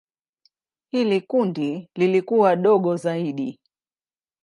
Hili kundi lilikuwa dogo zaidi.